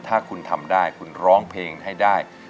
ถ้าคุณทำได้คุณร้องเพลงให้ได้